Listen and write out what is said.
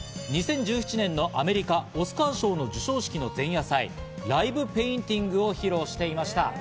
２０１７年のアメリカ、オスカー賞の授賞式の前夜祭、ライブペインティングを披露していました。